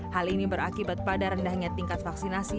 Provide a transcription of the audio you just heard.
hal ini berakibat pada rendahnya tingkat vaksinasi